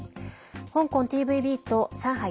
香港ＴＶＢと上海